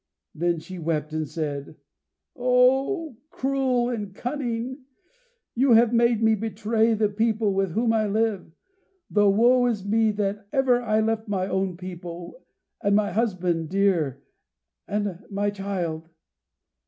Then she wept, and said, "Oh cruel and cunning! You have made me betray the people with whom I live, though woe is me that ever I left my own people, and my husband dear, and my child!